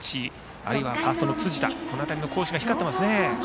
あるいはファーストの辻田の好守備が光っていますね。